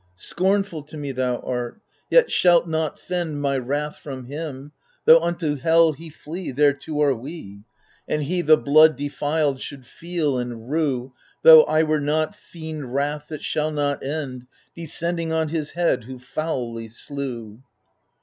Scornful to me thou art; yet shalt not fend My wrath from him ; though unto hell he flee. There too are we ! And he the blood defiled, should feel and rue. Though I were not, fiend wrath that shall not end, Descending on his head who foully slew.